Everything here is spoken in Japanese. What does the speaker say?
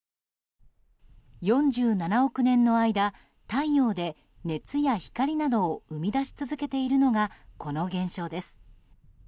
４７億年の間、太陽で熱や光などを生み出し続けているのがこの現象です。